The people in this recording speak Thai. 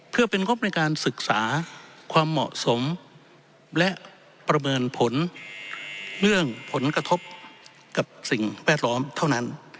เพื่อเป็นงบในการศึกษาความเหมาะสมและประเมินผลเรื่องผลกระทบกับสิ่งแวดล้อมเท่านั้น